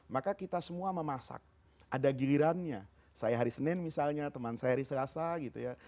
maka kita semua memasak ada gilirannya saya hari senin misalnya teman saya hari selasa gitu ya